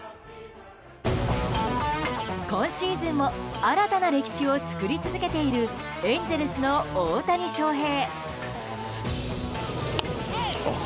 今シーズンも新たな歴史を作り続けているエンゼルスの大谷翔平。